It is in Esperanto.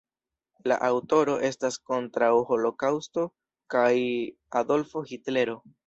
La aŭtoro estas kontraŭ holokaŭsto kaj Adolfo Hitlero.